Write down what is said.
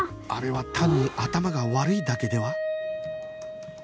あれは単に頭が悪いだけでは？